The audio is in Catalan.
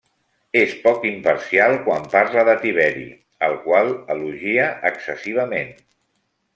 És poc imparcial quan parla de Tiberi, al qual elogia excessivament.